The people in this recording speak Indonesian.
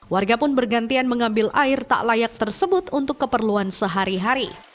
warga pun bergantian mengambil air tak layak tersebut untuk keperluan sehari hari